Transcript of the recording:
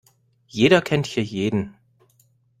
Jeder kennt hier jeden.